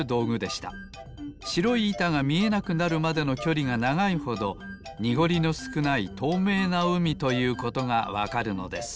しろいいたがみえなくなるまでのきょりがながいほどにごりのすくないとうめいなうみということがわかるのです。